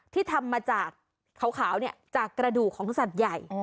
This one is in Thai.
ที่ทำมาจากขาวจากกระดูกของสัตว์ใหญ่